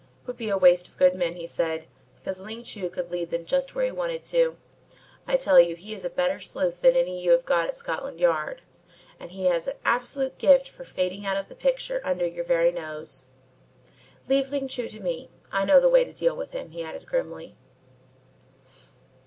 "It would be a waste of good men," he said, "because Ling Chu could lead them just where he wanted to. I tell you he is a better sleuth than any you have got at Scotland Yard, and he has an absolute gift for fading out of the picture under your very nose. Leave Ling Chu to me, I know the way to deal with him," he added grimly.